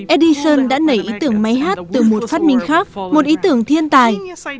edison đã nảy ý tưởng máy hát từ một phát minh khác một ý tưởng thiên tài